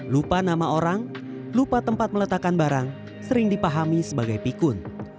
lupa nama orang lupa tempat meletakkan barang sering dipahami sebagai pikun